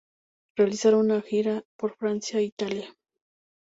Realizaron una gira por Francia e Italia.